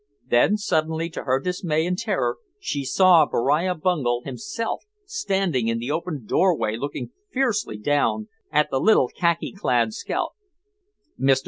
Then suddenly to her dismay and terror she saw Beriah Bungel himself standing in the open doorway looking fiercely down at the little khaki clad scout. "Mr.